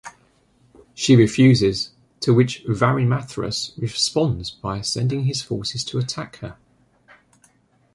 She refuses, to which Varimathras responds by sending his forces to attack her.